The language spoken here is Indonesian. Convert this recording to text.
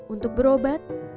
untuk berobat iyan memiliki penis